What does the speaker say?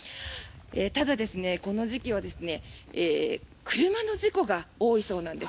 ただ、この時期は車の事故が多いそうなんです。